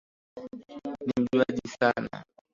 Ni mjuaji sana